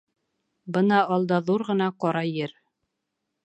Бына алда ҙур ғына ҡара ер.